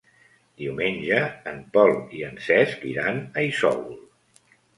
Diumenge en Pol i en Cesc iran a Isòvol.